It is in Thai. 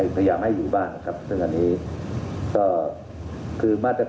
เป็นร้อยคนนะครับแต่ทางนี้มีพิเศษเชื้อมากนะครับ